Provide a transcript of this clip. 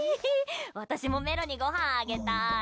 私もメロにごはんあげたい。